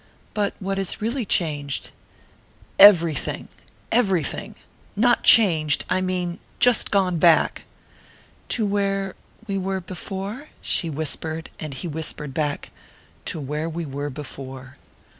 "But what is really changed?" "Everything everything! Not changed, I mean just gone back." "To where...we were...before?" she whispered; and he whispered back: "To where we were before."